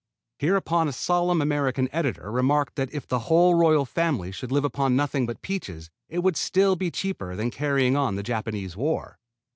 Hereupon a solemn American editor remarked that if the whole royal family should live upon nothing but peaches it would still be cheaper than carrying on the Japanese war.